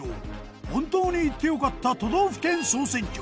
本当に行って良かった都道府県総選挙。